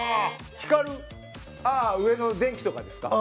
土田：上の電気とかですか？